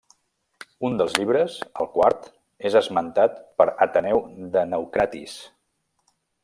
Un dels llibres, el quart, és esmentat per Ateneu de Naucratis.